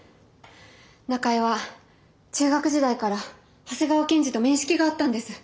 中江は中学時代から長谷川検事と面識があったんです。